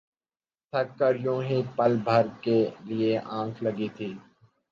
تھک کر یوں ہی پل بھر کے لیے آنکھ لگی تھی